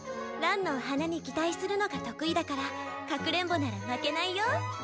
ランのおはなに擬態するのが得意だからかくれんぼなら負けないよ。